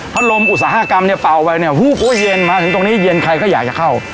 เพราะลมอุตสาหกรรมเนี่ยเป่าไปเนี่ยหูก็เย็นมาถึงตรงนี้เย็นใครก็อยากจะเข้า